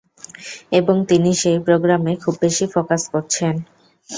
এবং তিনি সেই প্রোগ্রামে খুব বেশি ফোকাস করছেন।